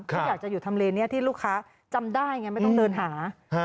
เขาอยากจะอยู่ทำเลนี้ที่ลูกค้าจำได้ไงไม่ต้องเดินหา